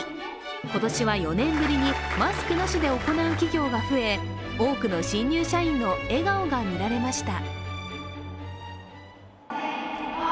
今年は４年ぶりにマスクなしで行う企業が増え多くの新入社員の笑顔が見られました。